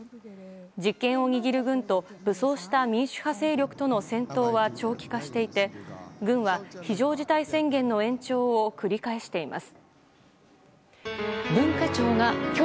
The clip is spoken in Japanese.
実権を握る軍と武装した民主派勢力との戦闘は長期化していて軍は、非常事態宣言の延長を繰り返しています。